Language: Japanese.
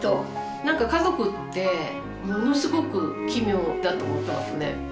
何か家族ってものすごく奇妙だと思ってますね。